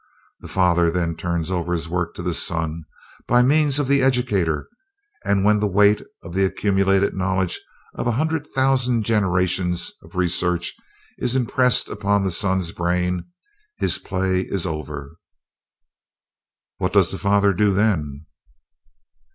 The father then turns over his work to the son by means of the educator and when the weight of the accumulated knowledge of a hundred thousand generations of research is impressed upon the son's brain, his play is over." "What does the father do then?"